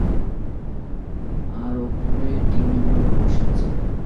আর ওপরে টিম মেম্বাররা বসে আছে।